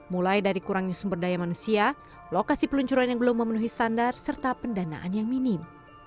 mulai dari kurangnya sumber daya manusia lokasi peluncuran yang belum memenuhi standar serta pendanaan yang minim